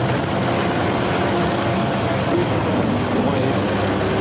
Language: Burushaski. Guy hinuman huma ayeti.